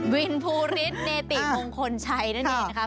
วินภูฤทธิ์เนติงองค์คนชัยนั่นเองนะคะ